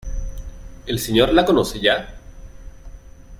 ¿ el Señor la conoce ya?